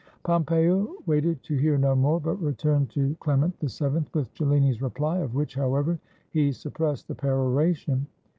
Pompeo waited to hear no more, but returned to Clement VII with Cellini's reply, of which, however, he suppressed the peroration.